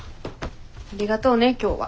ありがとうね今日は。